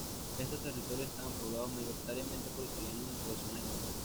Estos territorios estaban poblados mayoritariamente por italianos dentro de zonas eslavas.